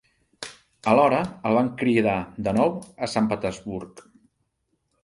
Alhora, el van cridar de nou a Sant Petersburg.